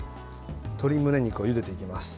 鶏むね肉をゆでていきます。